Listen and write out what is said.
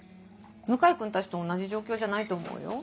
向井君たちと同じ状況じゃないと思うよ。